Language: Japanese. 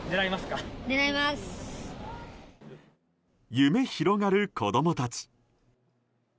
夢広がる子供たち。